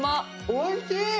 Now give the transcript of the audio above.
おいしい。